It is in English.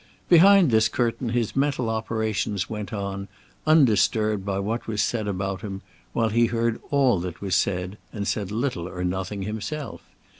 Behind this curtain his mental operations went on, undisturbed by what was about him, while he heard all that was said, and said little or nothing himself.